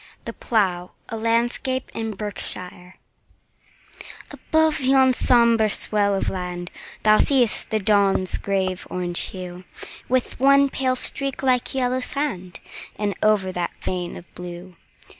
The Plough A LANDSCAPE IN BERKSHIRE ABOVE yon sombre swell of land Thou see'st the dawn's grave orange hue, With one pale streak like yellow sand, And over that a vein of blue.